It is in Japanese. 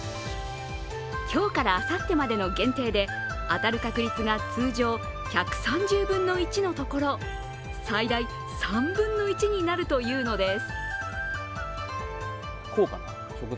今日からあさってまでの限定で当たる確率が通常１３０分の１のところ最大３分の１になるというのです。